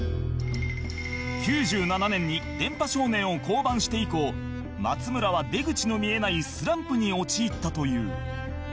９７年に『電波少年』を降板して以降松村は出口の見えないスランプに陥ったという